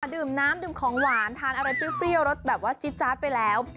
ดื่มน้ำดื่มของหวานทานอะไรเปรี้ยวรสแบบว่าจิ๊ดไปแล้ว